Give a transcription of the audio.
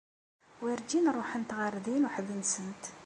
Werǧin ruḥent ɣer din uḥd-nsent.